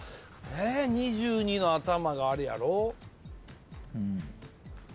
え２２の頭があれやろ？